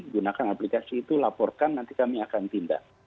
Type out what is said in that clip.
gunakan aplikasi itu laporkan nanti kami akan tindak